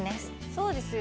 そうですよ。